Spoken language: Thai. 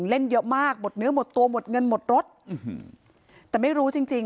เล่นเยอะมากหมดเนื้อหมดตัวหมดเงินหมดรถแต่ไม่รู้จริงจริง